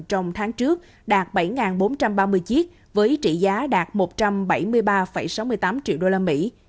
trong tháng trước đạt bảy bốn trăm ba mươi chiếc với trị giá đạt một trăm bảy mươi ba sáu mươi tám triệu đô la mỹ